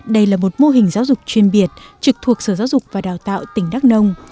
đây là một mô hình giáo dục chuyên biệt trực thuộc sở giáo dục và đào tạo tỉnh đắk nông